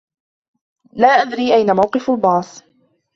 لا أدري أين موقف الباص.